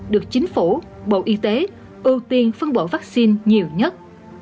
được chính phủ bộ y tế ưu tiên phân bổ vaccine nhiều nhất